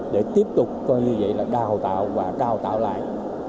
để tiếp tục coi như vậy là đào tạo và đào tạo lại